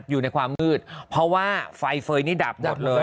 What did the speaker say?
อยู่ในความมืดเพราะว่าไฟเฟย์นี่ดับหมดเลย